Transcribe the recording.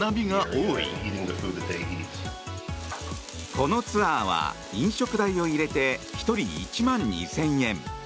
このツアーは飲食代を入れて１人１万２０００円。